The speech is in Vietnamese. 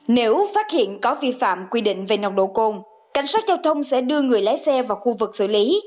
nếu phát hiện có vi phạm quy định về nồng độ cồn cảnh sát giao thông sẽ đưa người lái xe vào khu vực xử lý